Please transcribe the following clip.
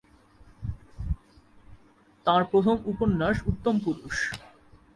তাঁর প্রথম উপন্যাস "উত্তম পুরুষ"।